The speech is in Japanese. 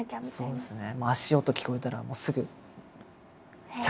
そうですね。